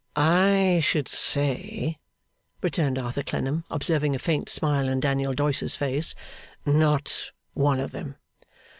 'I should say,' returned Arthur Clennam, observing a faint smile in Daniel Doyce's face, 'not one of them.